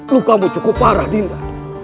lukamu cukup parah dinda